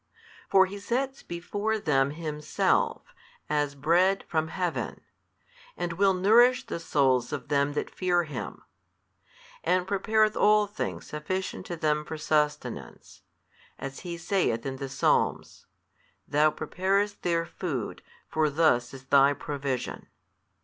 For He sets before them Himself, as Bread from Heaven, and will nourish the souls of them that fear Him: and prepareth all things sufficient to them for sustenance; as he saith in the Psalms, Thou preparest their food, for thus is Thy provision.